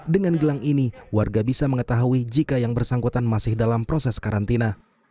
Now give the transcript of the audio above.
dengan gelang ini warga bisa mengetahui jika yang bersangkutan masih dalam proses karantina